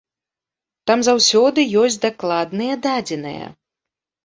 Там заўсёды ёсць дакладныя дадзеныя.